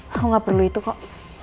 aku gak perlu itu kok